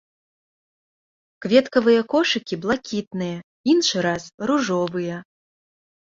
Кветкавыя кошыкі блакітныя, іншы раз ружовыя.